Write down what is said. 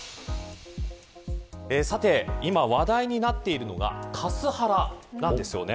さて、今話題になっているのがカスハラ、なんですよね。